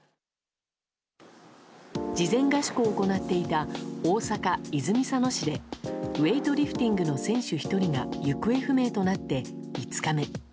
事前合宿を行っていた大阪・泉佐野市でウエイトリフティングの選手１人が行方不明となって５日目。